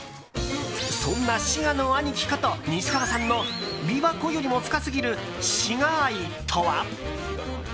そんな滋賀の兄貴こと西川さんの琵琶湖よりも深すぎる滋賀愛とは。